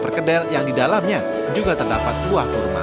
perkedel yang di dalamnya juga terdapat buah kurma